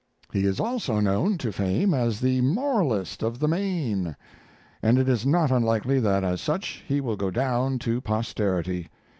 He is also known to fame as The Moralist of the Main; and it is not unlikely that as such he will go down to posterity.